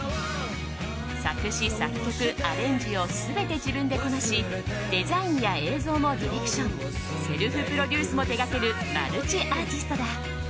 作詞・作曲・アレンジを全て自分でこなしデザインや映像もディレクションセルフプロデュースも手掛けるマルチアーティストだ。